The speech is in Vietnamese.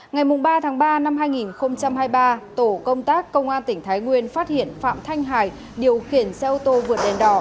ngày ba ba hai nghìn hai mươi ba tổ công tác công an tp thái nguyên phát hiện phạm thanh hải điều khiển xe ô tô vượt đèn đỏ